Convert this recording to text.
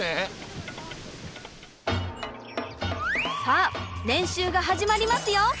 さあ練習が始まりますよ！